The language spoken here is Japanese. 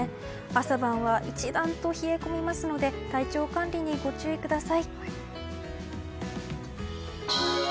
朝晩は一段と冷え込みますので体調管理にご注意ください。